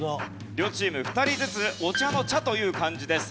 両チーム２人ずつお茶の「茶」という漢字です。